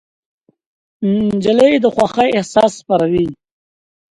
نجلۍ د خوښۍ احساس خپروي.